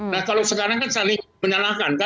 nah kalau sekarang kan saling menyalahkan